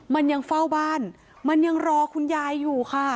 มันยังเฝ้าบ้านมันยังรอคุณยายอยู่ค่ะ